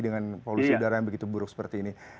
dengan polusi udara yang begitu buruk seperti ini